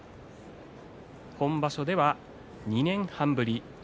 本場所では２年半ぶり。